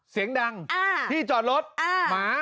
เสียงดังพี่จอดรถหมา